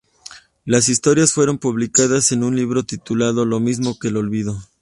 Las historias fueron publicadas en un libro titulado "Lo mismo que el olvido".